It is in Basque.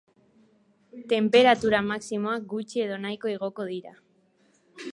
Tenperatura maximoak gutxi edo nahiko igoko dira.